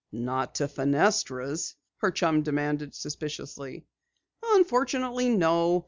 "Not to Fenestra's?" her chum demanded suspiciously. "Unfortunately, no.